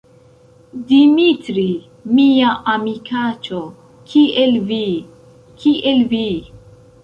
Dimitri, mia amikaĉo, kiel vi? Kiel vi?